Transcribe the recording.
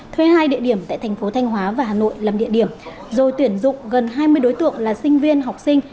thuê hai địa điểm tại thành phố thanh hóa và hà nội làm địa điểm rồi tuyển dụng gần hai mươi đối tượng là sinh viên học sinh